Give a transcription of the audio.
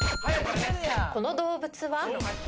この動物は？